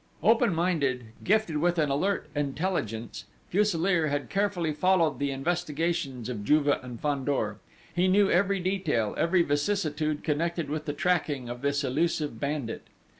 Open minded, gifted with an alert intelligence, Fuselier had carefully followed the investigations of Juve and Fandor. He knew every detail, every vicissitude connected with the tracking of this elusive bandit.